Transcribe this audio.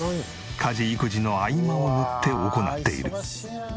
家事育児の合間を縫って行っている。